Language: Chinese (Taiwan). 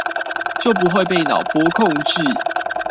就不會被腦波控制